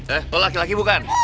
eh kalau laki laki bukan